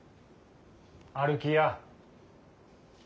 歩きや。